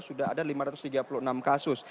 sudah ada lima ratus tiga puluh enam kasus